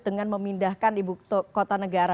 dengan memindahkan di buku kota negara